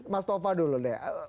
mas tova dulu deh